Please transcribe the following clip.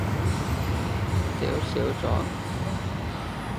少少咋？